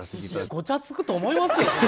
ごちゃつくと思いますけどね。